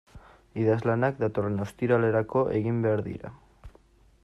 Idazlanak datorren ostiralerako egin behar dira.